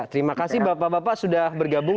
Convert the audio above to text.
terima kasih bapak bapak sudah bergabung